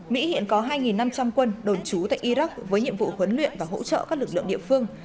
mỹ hiện có hai năm trăm linh quân đồn trú tại iraq với nhiệm vụ huấn luyện và hỗ trợ các lực lượng địa phương